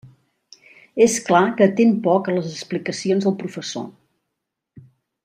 És clar que atén poc a les explicacions dels professors.